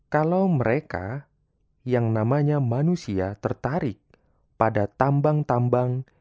kalau mereka yang namanya manusia tertarik pada tambang tambang